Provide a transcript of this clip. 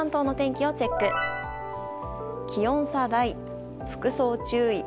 気温差大、服装注意。